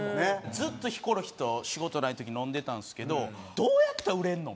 ずっとヒコロヒーと仕事ない時飲んでたんですけど「どうやったら売れんの？」